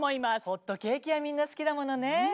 ホットケーキはみんな好きだものね。